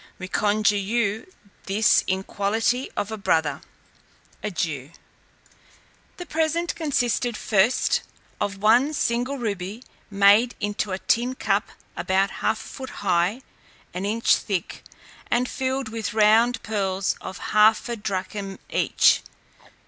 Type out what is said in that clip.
We conjure you this in quality of a brother. Adieu." The present consisted first, of one single ruby made into a cup, about half a foot high, an inch thick, and filled with round pearls of half a drachm each.